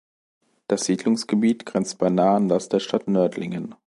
Das Siedlungsgebiet grenzt beinahe an das der Stadt Nördlingen.